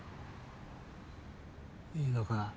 いいのか？